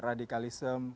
kemudian juga aksi identik